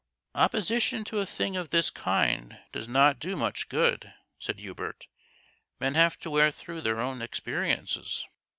" Opposition to a thing of this kind does not do much good," said Hubert. " Men have to wear through their own experiences."